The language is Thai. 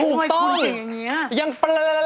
ถูกต้องทำไมคุณคุยอย่างนี้